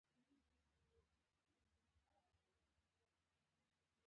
دا ټولنه د اغلې مریم درانۍ تر مشرۍ لاندې ده.